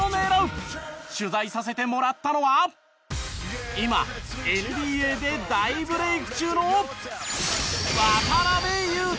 取材させてもらったのは今ＮＢＡで大ブレーク中の。